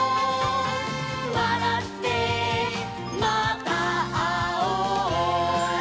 「わらってまたあおう」